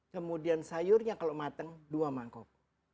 kemudian sayurnya kalau mateng dua mangkok